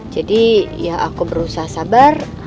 jadi ya aku berusaha sabar